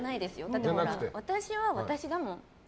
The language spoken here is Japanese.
だって、私は私だもん。